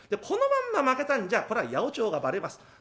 このまんま負けたんじゃこりゃ八百長がバレます。